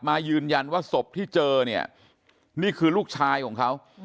มายืนยันว่าศพที่เจอเนี่ยนี่คือลูกชายของเขา